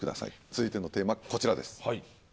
続いてのテーマこちらです。